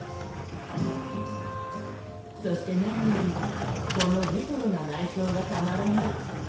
そして何よりこのレトロな内装がたまらない。